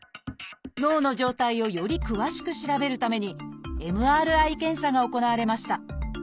脳の状態をより詳しく調べるためにＭＲＩ検査が行われました。